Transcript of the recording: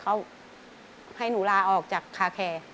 เขาให้หนูลาออกจากคาแคร์